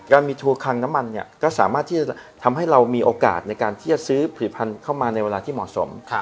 การมีทัวร์คังน้ำมันเนี่ยก็สามารถที่จะทำให้เรามีโอกาสในการที่จะซื้อผลิตภัณฑ์เข้ามาในเวลาที่เหมาะสม